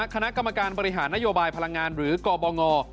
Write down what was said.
คณะกรรมการบริหารนโยบายพลังงานหรือกบง